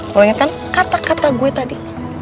lo inget kan kata kata gue tadi